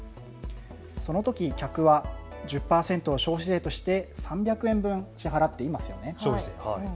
そのとき客は１０％の消費税として３００円分支払っていますよね。